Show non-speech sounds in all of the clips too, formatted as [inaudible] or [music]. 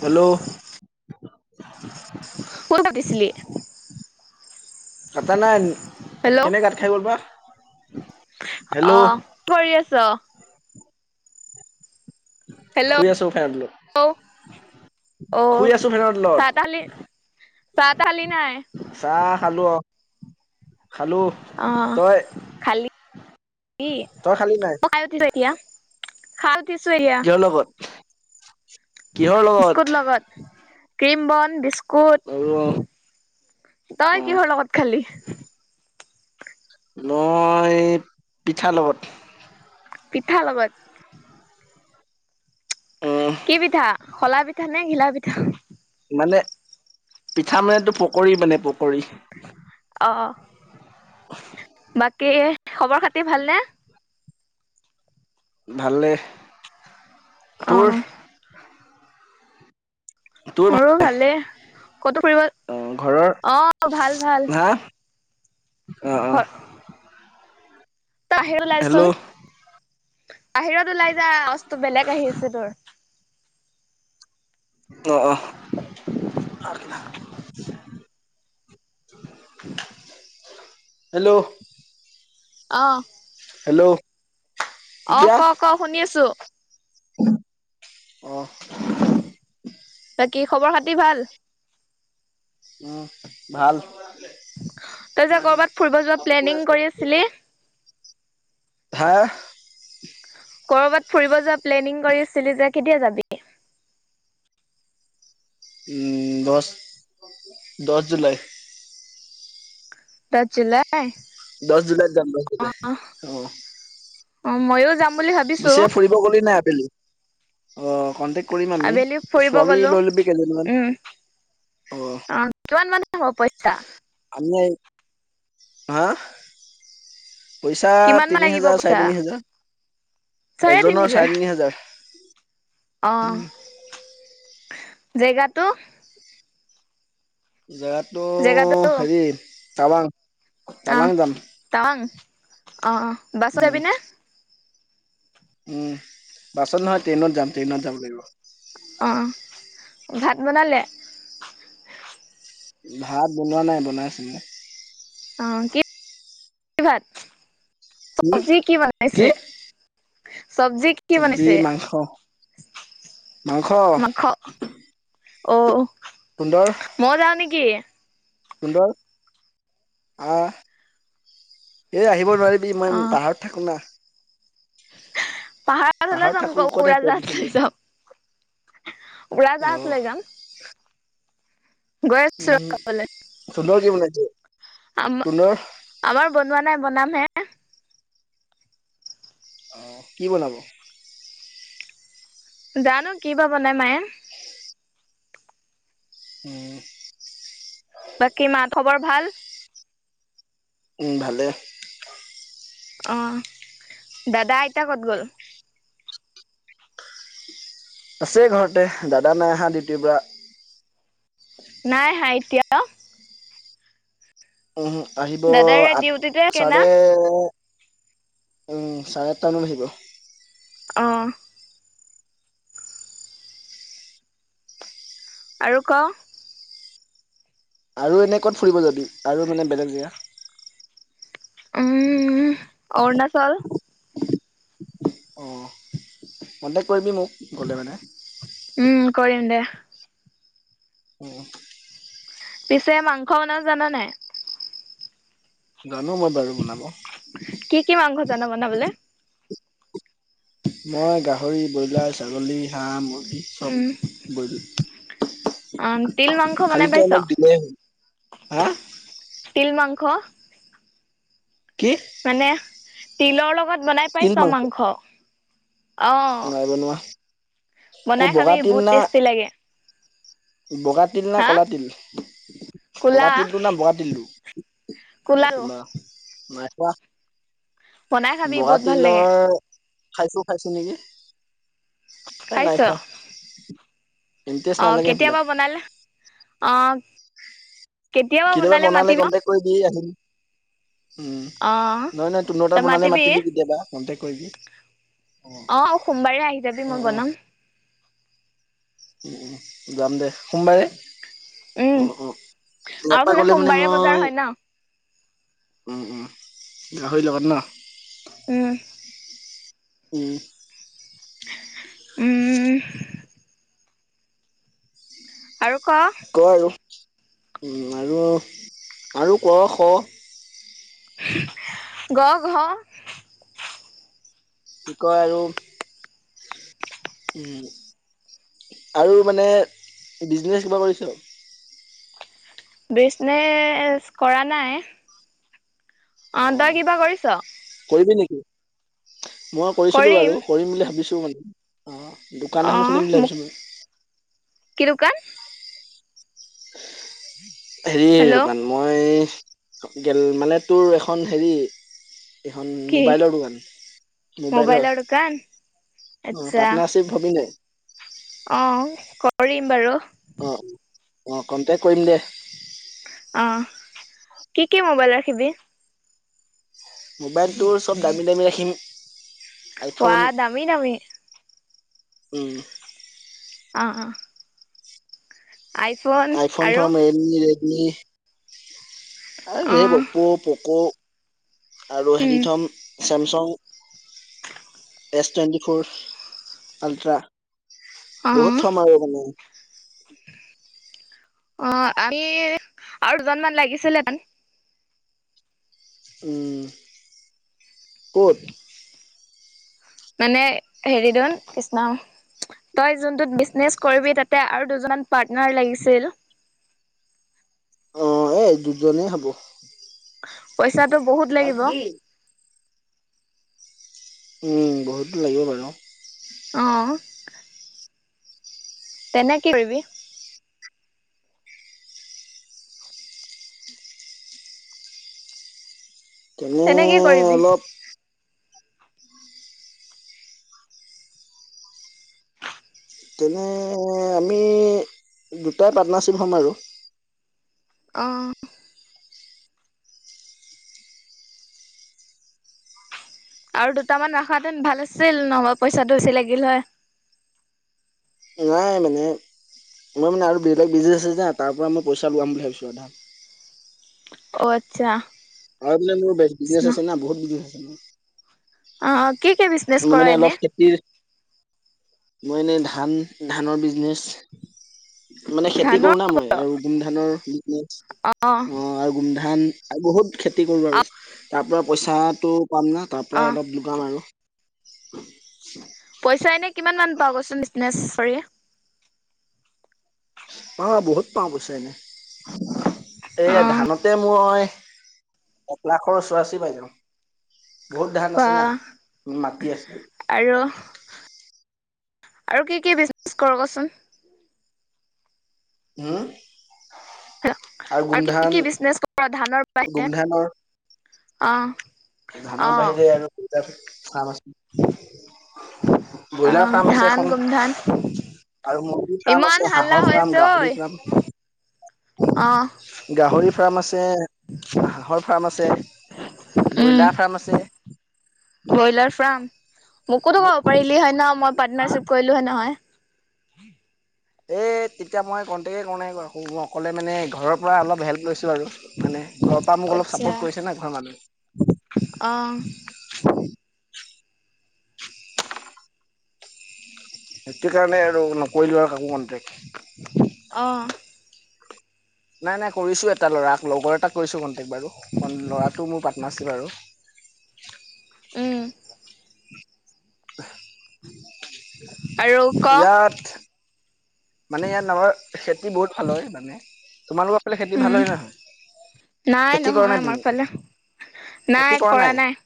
Hello, phone পাতিছিলি কটা নাই। কেলেই কাত খাই গ'ল বা। হেল্ল' অহ, কৰি আছো আও হেল্ল' শুই আছে উঠাই আনিলো অ শুই আছো ফেনৰ তলত চাহ তাহ খালি চাহ তাহ খালি নাই চাহ খালো অহ, খালো তই। কি, তই খালি নাই খাই উঠিছো এতিয়া - খাইছো উঠিছো এতিয়া। কিহৰ লগত কিহৰ লগত। ক্ৰীম বন অ বিস্কুট। অ তই কিহৰ লগত খালি। মই পিঠা লগত। পিঠা লগত। উম কি পিঠা। শলা পিঠা নে ঘিলা পিঠা। মানে পিঠা মানেতো পকৰী মানে পকৰী। অহ। তে খবৰ খাতি ভালনে। ভালে। তোৰ অহ ', তোৰ ভা--নে ভালে ক'তো ফুৰিব। ঘৰৰ অহ, ভাল-ভাল। অহ, অহ তাহেৰ লাৰচুন বাহিৰত ওলাই যা। আৱাজ টো বেলেগ আহি আছে তোৰ। অ, অ আৰ কি না [unintelligible] হেল্ল'। অ'হ। হেল্ল'। অ এতিয়া ক ক শুনি আছো অ কি খবৰ পাতি ভাল? উম ভাল। তই যে কৰ'বাত ফুৰিব যোৱা প্লেনিং কৰি আছিলি হা? কৰ'বাত ফুৰিব যোৱা প্লেনিং কৰি আচিলি যে কেতিয়া যাবি? উম দশ দশ জুলাই। দশ জুলাইত দশ জুলাইত যাম দশ জুলাই অ। অ ময়ো পিছে ফুৰিব গলি নে নাই আবেলি অ কণ্টেক কৰিম আমি আবেলি ফুৰিব ছোৱালী গলো লৈ ল'বি কেইজনমান। উম অ কিমান মান হ'ব পইচা? আমি হা? পইচা কিমান মান তিনি লাগিব হাজাৰ চাৰে পইচা তিনি হাজাৰ এজনৰ চাৰে তিনি হাজাৰ। অ উম জেগাটো? জেগাতটো জেগাটো হেৰি তাৱাং। অ তাৱাং অ'হ অ'হ বাছত উম আহিবি নে? উম বাছত নহয় ট্ৰেইনত যাম ট্ৰেইনত যাব লাগিব। আহ ভাত বনালে? ভাত বনোৱা নাই। বনাই আছে মানে। অ কি [inaudible] ভাত? উম চবজি কি কি বোনাইছে? চব্জিত কি চব্জি বনাইছে? মাংস মাংস মাংস। অ ময়ো যাওঁ নেকি? সুন্দৰ আহ এ আহিব নোৱাৰিবি। মই অ', পাহাৰত থাকো না। পাহাৰত হলেও যাম থাকো আকৌ ক'ত উৰা আহি পাৰিবি জাহাজ তেন্তে লৈ যাম। অ উৰাজাহাজ লৈ যাম। গৈ আছোঁ উম ৰহ খাবলে। তুন্দৰ কি বনাইছে আমা তুন্দৰ আমাৰ বনোৱা নাই বনাম হে অঁ কি বনাব? জানো কি বা বনাই মায়ে হম। বাকী মা খবৰ ভাল? উম ভালে। আহ দাদা আইতা কত গ'ল? আছে ঘৰতে। দাদা নাই আহা ডিউটিৰ পৰা। নাই আহা এতিয়াও? আহিব দাদাই এইয়া আঠ ডিউটিতে - থাকে না? চাৰে উম চাৰে আঠটা মানত আহিব। অ'হ। আৰু ক আৰু এনে ক'ত ফুৰিব যাবি? আৰু মানে বেলেগ জেগা? উম উম অৰুণাচল। অ কণ্টেক্ট কৰিবি মোক। গ'লে মানে উম কৰিম দে। উম। পিছে মাংস বনাব জানা নাই। জানো মই বাৰু বনাব কি কি মাংস জানা বনাবলে। মই, গাহৰি, ব্ৰইলাৰ, ছাগলী, হাঁহ, মুৰ্গী চব উম, বইল অ', তিল মাংস খালি বনাই তই পাইছ? মোক দিলেই হ'ল হা তিল মাংস? কি মানে, তিলৰ লগত বনাই পাইছ মাংস? অ নাই বনোৱা। ক বনাই খাবি বগা তিল বহুত না টেষ্টি লাগে। বগা তিল না হা ক'লা তিল? ক'লা কোলা তিলটো না বগা তিলটো? অ', কোলাটো কোলা নাই পোৱা। বনাই খাবি বগা বহুত ভাল তিলৰ লাগে খাইছোঁ খাইছোঁ নেকি! এ খাইছ নাই খোৱা! ইণ্টাৰেষ্ট অ', নালাগে সেইবিলাক কেতিয়াবা বনালে, অ'। কেতিয়াবা বনালে মাতিব। কন্টেক্ট কৰিবি আহিম উম, অ নহয়, নহয় তুহোঁতৰ তাত বনালে মাতিবি কেতিয়াবা, কণ্টেক কৰিবি। অ', সোমবাৰে আহি যাবি, অ মই অ বনাম। উম, উম, যাম দে, সোমবাৰে। উম অ', অ'। ইয়াৰ আৰু পৰা ফালে গ'লে মানে সোমবাৰে বজাৰ মই হয় ন উম, উম, গাহৰি লগত ন? উম। উম। উম। আৰু ক? উম, আৰু, আৰু ক, খ। গ, ঘ। কি কয় আৰু, উম। আৰু মানে, বিজনেছ কিবা কৰিছ? বিচনেছ কৰা নাই। অ', তই কিবা কৰিছ? কৰিবি মই কৰিছিলোঁ বাৰু, কৰিম বুলি ভাবিছোঁ মানে, অ'। অ দোকান এখন খুলিম বুলি মোক ভাবিছিলোঁ। কি দোকান হেৰিৰ হেল্ল' দোকান মই, গেল মানে তোৰ এখন হেৰি এইখন কি মোবাইলৰ দোকান, মোবাইলৰ। অ', আচ্ছা পাৰ্টনাৰশ্বিপ হবি নাই? অ কৰিম বাৰু। অ', অ', কণ্টেক কৰিম দে। অৱ', কি কি মোবাইল ৰাখিবি? মোবাইলটো চব দামী দামী ৰাখিম। ৱা আইফোন দামি দামি। উম'। আহ', আহ। আইফোন আৰু থম, ৰিয়েলমি, ৰেডমি মি, আৰু অ ধেই অপৌ, পকৌ। আৰু উম হেৰি থ'ম। Samsung, S twenty four, ultra. অ বহুত থম এইবোৰ মানে। অ', [unintelligible] আৰু দুজনমানান লাগিছিলে মানে উম। ক'ত? মানে হেৰি দেখোন কৃষ্ণ তই যোনটোত বিজনেচ কৰিবি তাতে আৰু দুজন পাটনাৰ লাগিছিল। [inaudible] অ' এই দুজনেই হব। পইছাটো বহুত বাদ লাগিব। দি বহুত দিন লাগিব বাৰু। অঁহ তেনে কৰিবি। তেনে কি কৰিবি অলপ তেনে আমি দুটাই পাৰ্টনাৰশ্বিপ হ'ম আৰু। অহ। আৰু দুটামান ৰাখাহেতেন ভাল আছিল নহবা পইচাটো বেছি লাগিল হয়। নাই মানে মই মানে আৰু বেলেগ বিজনেছ আছে না, তাৰ পৰা মই পইচা লম বুলি ভাবিছোঁ আধা। অ' আচ্ছা। আৰু বোলে মোৰ বি- বিজনেছ কৃষ্ণ আছে না। বহুত বিজনেছ আছে মোৰ। অ' অ' মানে অলপ খেতিৰ মই এনেই ধান -ধানৰ বিজনেছ মানে খেতি ধানৰ কৰো না মই আৰু গোমধানৰ বিজনেছ অ অ আৰু গোমধান বহুত খেতি কৰো, অ আৰু তাৰ পৰা পইচাটো পাম না। তাৰ অ পৰাই অলপ লগাম আৰু। [inaudible] পইচা এনে কিমানমান পাৱ কচোন বিজনেছ কৰি? অ বহুত পাওঁ পইছা এনে। অ এয়া ধানতে মই এক লাখৰ ওচৰা-ওচৰি পাই যাওঁ। বহুত ধান বা আছে না। মাটি আছে। আৰু আৰু কি কি বিজনেছ কৰোঁ কচোন হুম আৰু কি কি বিজনেচ কৰা ধানৰ বাহিৰে গোমধানৰ অ অ ধানৰ বাহিৰে আৰু দুয়োটা ফেক্টৰীত কাম আছে মোৰ। অ ব্ৰইলাৰ ফাৰ্ম আছে ধান এখন। গোমধান আৰু মূৰ্গীৰ ফাৰ্ম ইমান আছে। হাল্লা হাঁহৰ ফাৰ্ম, গাহৰি ফাৰ্ম অহ। গাহৰি ফাৰ্ম আছে। হাঁহৰ ফাৰ্ম আছে। আ উম ব্ৰইলাৰ ফাৰ্ম আছে ব্ৰইলাৰ ফাৰ্ম মোকোতো বহুত কব পাৰিলি হয় ন মই ফাৰ্ম। পাৰ্টনাৰশ্বিপ কৰিলো হয়, নহয়। এই তেতিয়া মই কণ্টেকেই কৰা নাই। অকলে মানে ঘৰৰ পৰা অলপ হেল্প লৈছোঁ আৰু। মানে ঘৰৰ পৰা মোক অলপ চাপৰ্ট কৰিছে ন ঘৰৰমানুহে অঁহ সেইটো কাৰণে আৰু নকৰিলো কাকো কণ্টেক্ট অ'হ। নাই নাই কৰিছোঁ এটা ল'ৰাক লগৰ এটাক কৰিছোঁ কন্টেক্ট বাৰু ল'ৰাটো মোৰ পাৰ্টনাৰশ্বিপ আৰু [inaudible] [inaudible] আৰু ক ইয়াত মানে ইয়াত আমাৰ খেতি বহুত ভাল হয় মানে, তোমালোকৰ ফালে খেতি উম ভাল হয় -নহয়? নাই খেতি কৰা নহয় নাই আমাৰ তুমি ফালে নাই। কৰা নাই।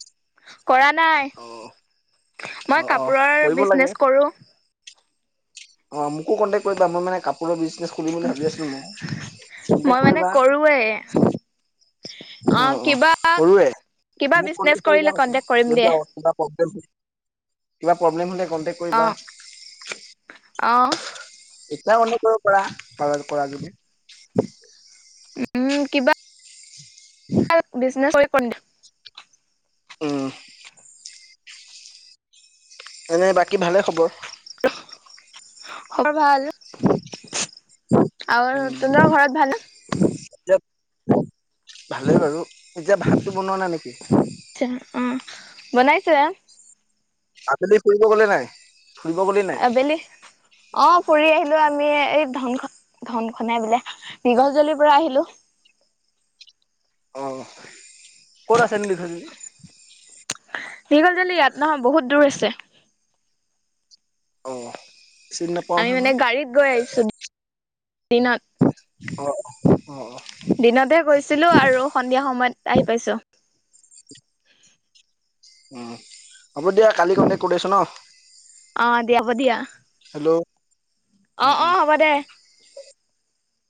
কৰা নাই। অ অ মই অ কাপোৰৰ কৰিব লাগে বিজনেচ কৰো অ মোকো কণ্টেক্ কৰিা মই মানে কাপোৰৰ বিজ বুলি ভাবি আছিলো মই কটে মই মানে কৰিবা কৰোৱে অ' অ' কৰোয়ে। কিবা মোক বিজনেচ কন্টেকট কৰিলে কৰিবা কৈছে [unintelligible] কন্টেক্ট কৰিম দে কিবা প্ৰবলেম [unintelligible] কিবা প্ৰব্লেম হ'লে কন্টেক্ট কৰিবা। অঁ। এতিয়া অনু কৰিব পৰা প পৰা য [inaudible] উম, কিবা বিজনেজ কৰি উম। এনে বাকী ভালে খবৰ খৰ ভাল? [unintelligible] আৰু উম তোনৰ ঘৰত ভাল এতিয়া ভালেই বাৰু এতিয়া ভাতটো বনোৱা না নেকি আ্ছা উম বনাইছা আবেলি ফুৰিব গ'লে নাই? ফুৰিব গ'লি নাই আবেলি অ ফুৰি আহিলো। আমি এই ধন ধন খাই বোলে [unintelligible] পৰা আহিলো অ', ক'ত আছে ন [unintelligible] [unintelligible] ইয়াত নহয় বহুত দূৰ আছে অঁ। আমি মানে গাড়ীত গৈ আহিছো দিনত। অ অ দিনতহে গৈছিলো আৰু সন্ধিয়া সময়ত আহি পাইছো। উম, হ'ব দিয়া কালি কন্টেক্ট কৰি আছো ন। অ' দিয়া হব দিয়া। হেল্ল', অ অ হ'ব দে।